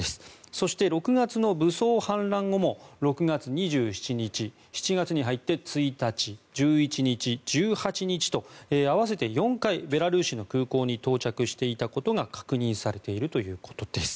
そして、６月の武装反乱後も６月２７日７月に入って１日、１１日、１８日と合わせて４回ベラルーシの空港に到着していたことが確認されているということです。